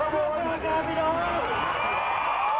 ค่ะเพราะคุณท่านพี่น้องชาวประกิษนะครับผมขอบคุณท่านพี่น้องชาวประกิษนะครับผม